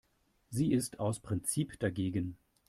Sie ist aus Prinzip dagegen.